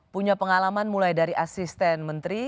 punya pengalaman mulai dari asisten menteri